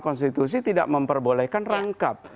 konstitusi tidak memperbolehkan rangkap